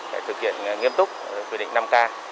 để thực hiện nghiêm túc quy định năm k